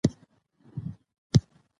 که علم په پښتو وي، نو جهل نشته.